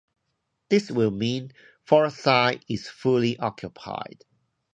This will mean Forestside is fully occupied.